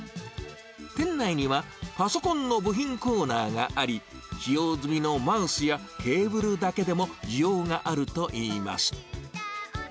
店内には、パソコンの部品コーナーがあり、使用済みのマウスやケーブルだけでも、需要があるといいます。